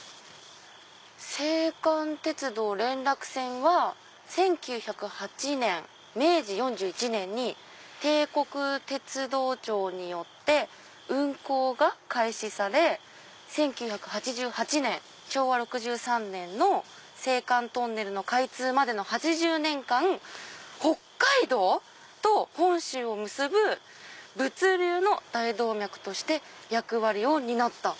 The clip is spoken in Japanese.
「青函鉄道連絡船は１９０８年明治４１年に帝國鉄道庁によって運航が開始され１９８８年昭和６３年の青函トンネルの開通までの８０年間北海道と本州を結ぶ物流の大動脈として役割を担った」。